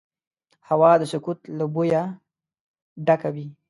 هوا د سکوت له بوی ډکه وي